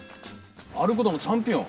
あることのチャンピオン？